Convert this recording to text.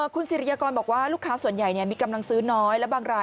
คุณสิริยากรบอกว่าลูกค้าส่วนใหญ่มีกำลังซื้อน้อยและบางราย